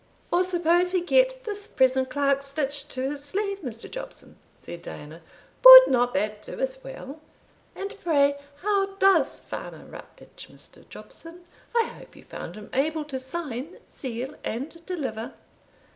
"Or suppose he get this present clerk stitched to his sleeve, Mr. Jobson," said Diana; "would not that do as well? And pray, how does Farmer Rutledge, Mr. Jobson? I hope you found him able to sign, seal, and deliver?"